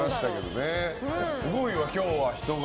すごいわ今日は、人が。